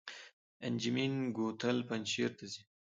انجمین کوتل پنجشیر ته ځي؟